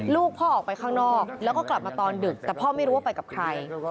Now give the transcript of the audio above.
ลูกพ่อออกไปข้างนอกแล้วก็กลับมาตอนดึกแต่พ่อไม่รู้ว่าไปกับใคร